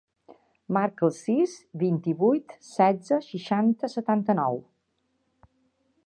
Marca el sis, vint-i-vuit, setze, seixanta, setanta-nou.